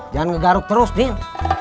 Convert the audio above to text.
jangan ngegaruk terus nin